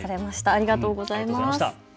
ありがとうございます。